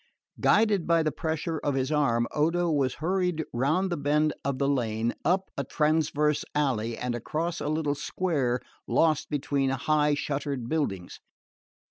Guided by the pressure of his arm, Odo was hurried round the bend of the lane, up a transverse alley and across a little square lost between high shuttered buildings.